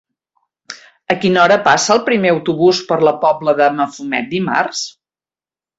A quina hora passa el primer autobús per la Pobla de Mafumet dimarts?